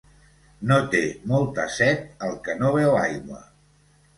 No té molta set el que no beu aigua.